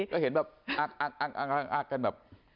ก็เห็นแบบอักอักอักกันแบบ